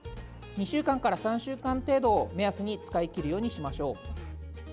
２週間から３週間程度を目安に使い切るようにしましょう。